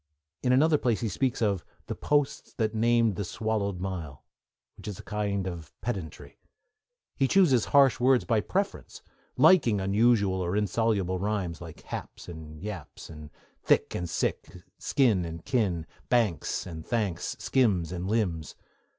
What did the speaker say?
In another place he speaks of The posts that named the swallowed mile, which is a kind of pedantry. He chooses harsh words by preference, liking unusual or insoluble rhymes, like 'haps' and 'yaps,' 'thick' and 'sick,' 'skin' and 'kin,' 'banks' and 'thanks,' 'skims' and 'limbs.'